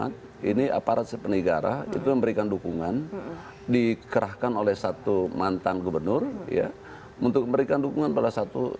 diberikan dukungan dikerahkan oleh satu mantan gubernur ya untuk memberikan dukungan pada satu